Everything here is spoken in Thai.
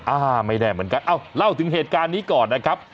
อ่าไม่แน่เหมือนกันเอ้าเล่าถึงเหตุการณ์นี้ก่อนนะครับ